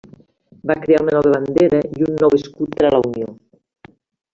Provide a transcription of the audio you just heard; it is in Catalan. Va crear una nova bandera i un nou escut per a la unió.